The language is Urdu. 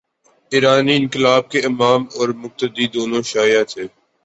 ایرانی انقلاب کے امام اور مقتدی، دونوں شیعہ تھے۔